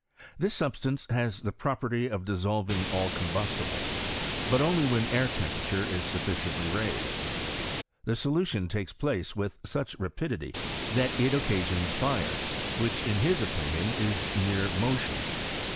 This substance has the property of dissolving all combustibles; but Duly when their temperature is sufficiently raised. The solution takes place with such rapidity that it occasions fire, which in his opinion is mere motion.